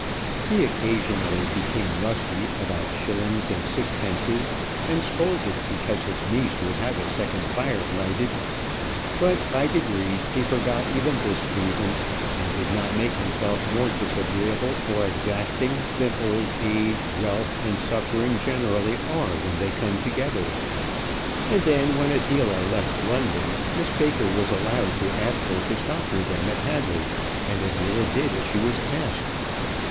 He occasionally became rusty about shillings and sixpences, and scolded because his niece would have a second fire lighted; but by degrees he forgot even this grievance, and did not make himself more disagreeable or exacting than old age, wealth, and suffering generally are when they come together. And then when Adela left London, Miss Baker was allowed to ask her to stop with them at Hadley and Adela did as she was asked.